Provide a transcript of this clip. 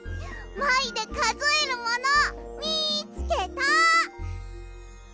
「まい」でかぞえるものみつけた！